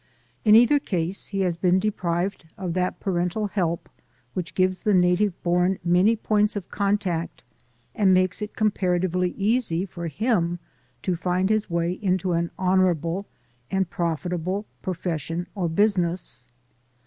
In either case, he has been deprived of that parental help which gives the native born many points of contact and makes it compara tively easy for him to find his way into an honorable and profitable profession or business.